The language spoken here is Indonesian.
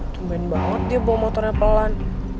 cuman banget dia bawa motornya pelan